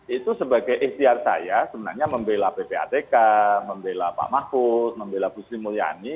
itu sebagai ikhtiar saya sebenarnya membela ppatk membela pak mahfud membela bu sri mulyani